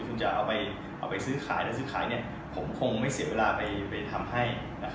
อีกอย่างที่อยากถ่ายออกไปซื้อขายถ้าซื้อขายผมคงไม่เสียเวลาไปทำให้